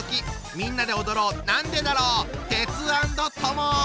みんなで踊ろう「なんでだろう」！